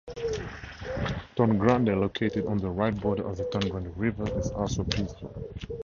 Tonnegrande, located on the right border of the Tonnegrande River is also peaceful.